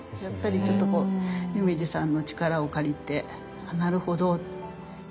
やっぱりちょっと夢二さんの力を借りてあなるほどって。